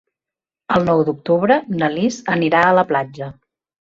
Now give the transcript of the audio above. El nou d'octubre na Lis anirà a la platja.